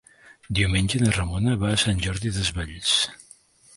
Diumenge na Ramona va a Sant Jordi Desvalls.